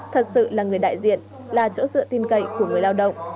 thật sự là người đại diện là chỗ dựa tin cậy của người lao động